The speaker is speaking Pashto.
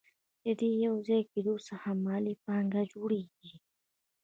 د دې یوځای کېدو څخه مالي پانګه جوړېږي